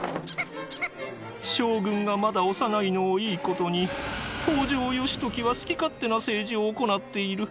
将軍がまだ幼いのをいいことに北条義時は好き勝手な政治を行っている。